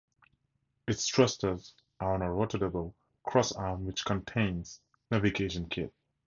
Its thrusters are on a rotatable cross-arm which contains navigation kit.